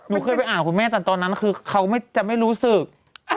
เคยไปอ่านคุณแม่แต่ตอนนั้นคือเขาจะไม่รู้สึก